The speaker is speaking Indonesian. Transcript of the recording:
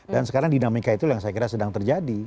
dan sekarang dinamika itu yang saya kira sedang terjadi